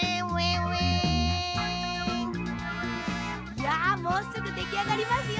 いやもうすぐできあがりますよ